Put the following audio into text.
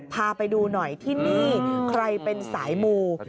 พาไปดูหน่อยที่นี่ใครเป็นสายมู